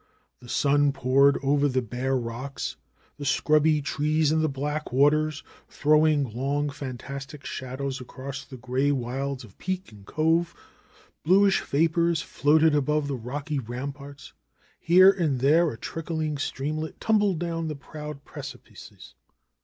The sun poured over the bare rocks, the scrubby trees and the black waters, throwing long, fantastic shadows across the gray wilds of peak and cove. Bluish vapors floated above the rocky ramparts. Here and there a trickling streamlet tumbled down the proud precipices.